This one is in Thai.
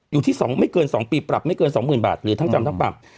อยู่ที่๒ไม่เกิน๒ปีปรับไม่เกิน๒๐๐๐บาทหรือทั้งจำทั้งปรับ